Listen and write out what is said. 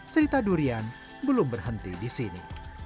cerita durian belum berhenti di sini